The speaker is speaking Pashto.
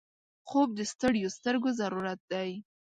خوب د ستړیو سترګو ضرورت دی